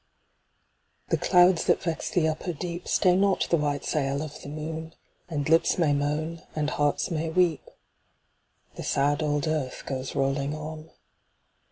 The clouds that vex the upper deep Stay not the white sail of the moon; And lips may moan, and hearts may weep, The sad old earth goes rolling on.